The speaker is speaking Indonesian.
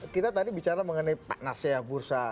kita tadi bicara mengenai panasnya bursa